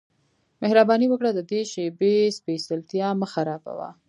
مهرباني وکړه د دې شیبې سپیڅلتیا مه خرابوه